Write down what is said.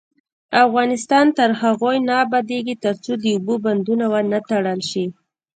افغانستان تر هغو نه ابادیږي، ترڅو د اوبو بندونه ونه تړل شي.